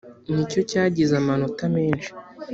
nicyo cyagize amanota menshi